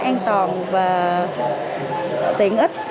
an toàn và tiện ích